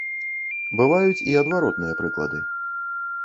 Бываюць і адваротныя прыклады.